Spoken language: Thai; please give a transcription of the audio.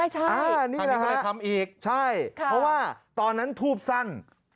ใช่นี่แหละครับใช่เพราะว่าตอนนั้นทูบสั้น